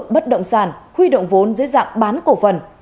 bất động sản huy động vốn dưới dạng bán cổ phần